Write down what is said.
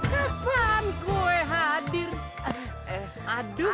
kapan gue hadir aduh